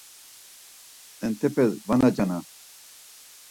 Entepes va nacana.